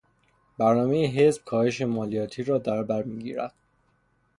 برنامهی حزب کاهش مالیاتی را دربر میگیرد.